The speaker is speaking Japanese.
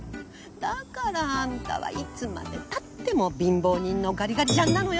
だからあんたはいつまでたっても貧乏人のガリガリちゃんなのよ。